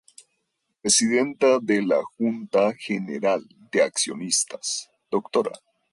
Presidenta de la Junta General de Accionistas: Dra.